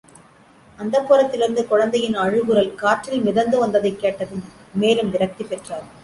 அந்தப்புரத்திலிருந்து குழந்தையின் அழுகுரல் காற்றில் மிதந்துவந்ததைக் கேட்டதும் மேலும் விரக்தி பெற்றார்.